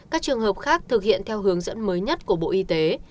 các trường hợp khác thực hiện theo hướng dẫn mới nhất của bộ y tế